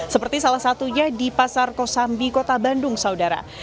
seperti salah satunya di pasar kosambi kota bandung saudara